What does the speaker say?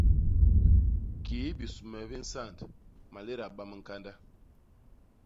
Kii bisume bi nsand, malét a bam ñkanda.